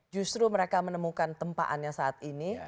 justru mereka menemukan tempaannya saat ini